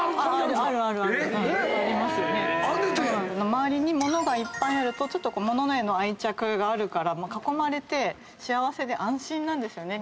周りに物がいっぱいあると物への愛着があるから囲まれて幸せで安心なんですよね。